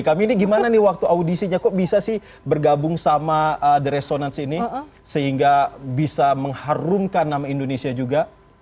kami ini gimana nih waktu audisinya kok bisa sih bergabung sama the resonance ini sehingga bisa mengharumkan nama indonesia juga